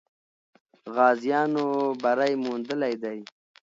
غازیانو بری موندلی دی.